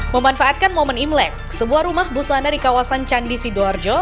memanfaatkan momen imlek sebuah rumah busana di kawasan candi sidoarjo